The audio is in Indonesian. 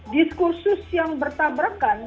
diskursus yang bertabrakan